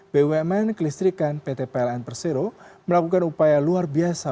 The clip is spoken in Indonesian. bumn kelistrikan pt pln persero melakukan upaya luar biasa